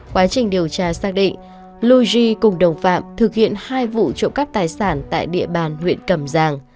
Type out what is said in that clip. quá trình điều tra xác định lu ji cùng đồng phạm thực hiện hai vụ trộm cắp tài sản tại địa bàn huyện cẩm giàng